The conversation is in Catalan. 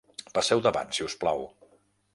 Passeu davant, si us plau.